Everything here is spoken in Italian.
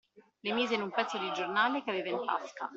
Le mise in un pezzo di giornale, che aveva in tasca.